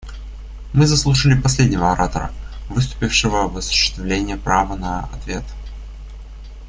Мы заслушали последнего оратора, выступившего в осуществление права на ответ.